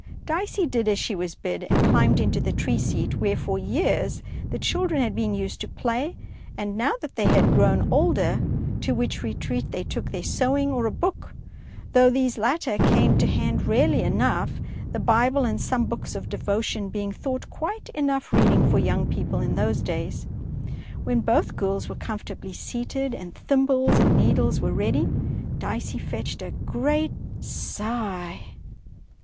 Dicey did as she was bid, and climbed into the tree seat where for years the children had been used to play, and, now that they had grown older, to which retreat they took their sewing or a book, though these latter came to hand rarely enough, the Bible and some books of devotion being thought quite enough reading for young people in those days. When both girls were comfortably seated and thimbles and needles were ready, Dicey fetched a great sigh.